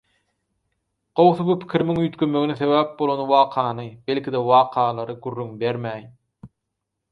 Gowsy bu pikirimiň üýtgemegine sebäp bolan wakany, belki-de wakalary gürrüň bermäýin.